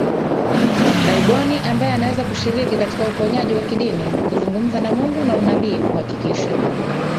laibon ambaye anaweza kushiriki katika uponyaji wa kidini kuzungumza na Mungu na unabii kuhakikisha